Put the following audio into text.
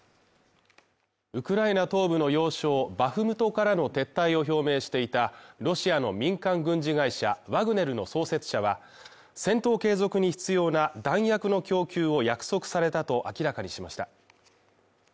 ウクライナ東部の要衝バフムトからの撤退を表明していたロシアの民間軍事会社ワグネルの創設者は戦闘継続に必要な弾薬の供給を約束されたと明らかにしました。